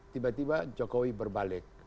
tiba tiba jokowi berbalik